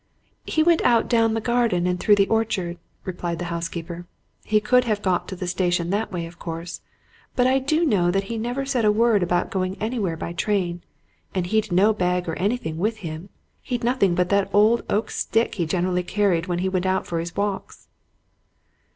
"He went out down the garden and through the orchard," replied the housekeeper. "He could have got to the station that way, of course. But I do know that he never said a word about going anywhere by train, and he'd no bag or anything with him he'd nothing but that old oak stick he generally carried when he went out for his walks."